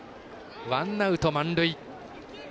ワンアウト、満塁。